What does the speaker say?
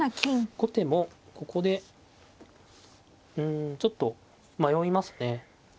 後手もここでうんちょっと迷いますね。